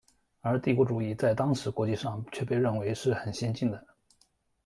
而帝国主义在当时国际上却被认为是很先进的。